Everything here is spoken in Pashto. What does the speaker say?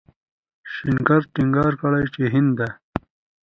شنکر ټينګار کړی چې هند